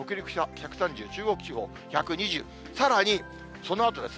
１３０、中国１２０、さらにそのあとです。